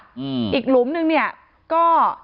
ที่มีข่าวเรื่องน้องหายตัว